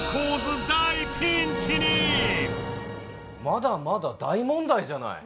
まだまだ大問題じゃない！